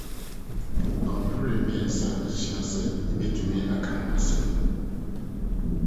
Nnɔnhwerew abiɛsa asua sɛ yebetumi aka ho asɛm.